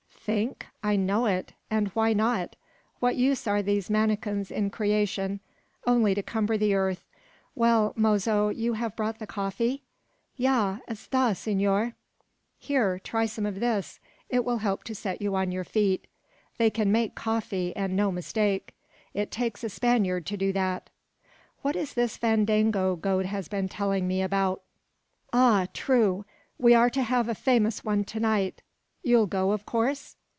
"Think! I know it; and why not? What use are these manikins in creation? Only to cumber the earth. Well, mozo, you have brought the coffee?" "Ya, esta, senor." "Here! try some of this; it will help to set you on your feet. They can make coffee, and no mistake. It takes a Spaniard to do that." "What is this fandango Gode has been telling me about?" "Ah! true. We are to have a famous one to night. You'll go, of course?"